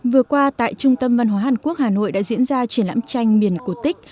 vừa qua tại trung tâm văn hóa hàn quốc hà nội đã diễn ra triển lãm tranh miền cổ tích